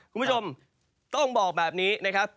คุณผู้ชมต้องบอกแบบนี้นะครับ